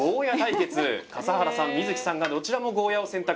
笠原さん実月さんがどちらもゴーヤを選択しています。